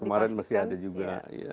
kemarin masih ada juga